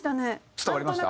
伝わりました？